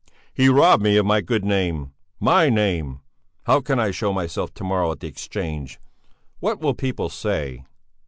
"He's robbed me of my good name! My name! How can I show myself to morrow at the Exchange? What will people say?"